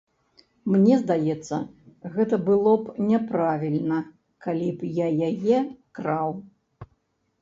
Мне здаецца, гэта было б няправільна, калі б я яе краў.